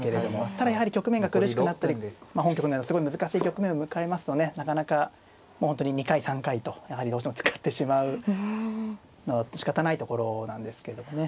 ただやはり局面が苦しくなったり本局のようにすごい難しい局面を迎えますとねなかなかもう本当に２回３回とやはりどうしても使ってしまうのはしかたないところなんですけれどもね。